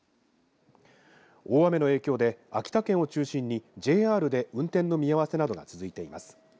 大雨の影響で秋田県を中心にＪＲで運転の見合わせなどが続いています。